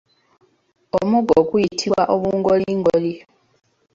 Omugo guyitibwa obungolingoli.